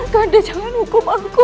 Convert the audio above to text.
kanda jangan hukum aku